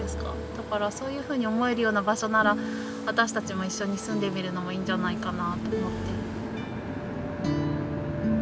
だからそういうふうに思えるような場所なら私たちも一緒に住んでみるのもいいんじゃないかなと思って。